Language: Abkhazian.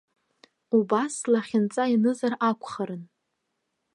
Убас слахьынҵа ианызар акәхарын.